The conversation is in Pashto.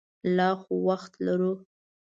لا خو وخت لرو.